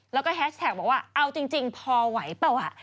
แล้วก็แฮชแท็กบอกว่าเอาจริงพอไหวเปล่า